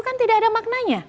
kan tidak ada maknanya